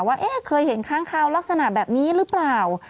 ว่าเคยเห็นค้างคาวลักษณะแบบนี้หรือเปล่า